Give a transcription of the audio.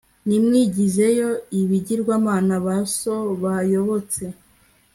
nimwigizeyo ibigirwamana ba so bayobotse